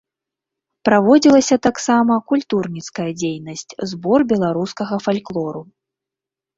Праводзілася таксама культурніцкая дзейнасць, збор беларускага фальклору.